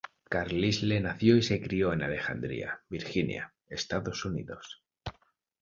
Carlisle nació y se crio en Alexandria, Virginia, Estados Unidos.